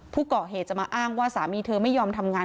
ผู้ก่อเหตุจะมาอ้างว่าสามีเธอไม่ยอมทำงาน